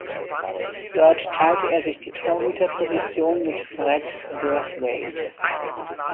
Dort teilte er sich die Torhüterposition mit Fred Brathwaite.